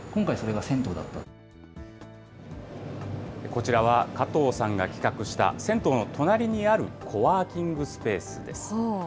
こちらは加藤さんが企画した、銭湯の隣にあるコワーキングスペースです。